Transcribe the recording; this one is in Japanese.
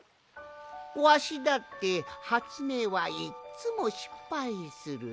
わしだってはつめいはいっつもしっぱいする。